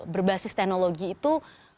berbasis teknologi itu